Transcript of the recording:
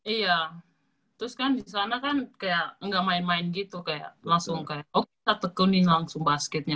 iya terus kan di sana kan kayak nggak main main gitu kayak langsung kayak oh kita tekun nih langsung basketnya